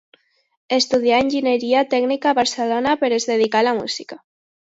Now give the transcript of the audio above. Estudià Enginyeria Tècnica a Barcelona, però es dedicà a la música.